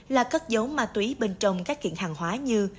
là cất dấu ma túy bên trong các kiện hàng hóa như